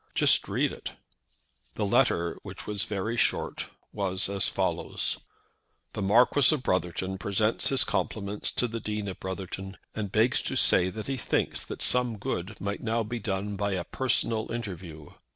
Just read it." The letter, which was very short, was as follows: "The Marquis of Brotherton presents his compliments to the Dean of Brotherton, and begs to say that he thinks that some good might now be done by a personal interview.